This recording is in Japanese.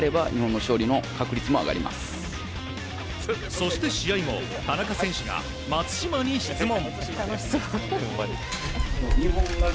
そして、試合後田中選手が松島に質問。